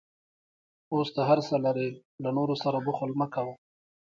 اوس ته هر څه لرې، له نورو سره بخل مه کوه.